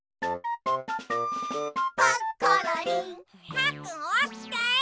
パックンおきて！